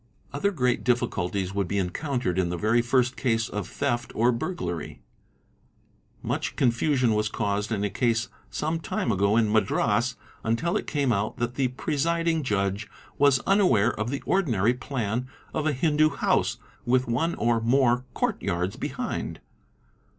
Otherwise great difficulties would ' encountered in the very first case of theft or burglary. Much 40 THE INVESTIGATING OFFICER > confusion was caused in a case some time ago in Madras until it came out that the presiding judge was unaware of the ordinary plan of a Hindu house with one or more courtyards behind.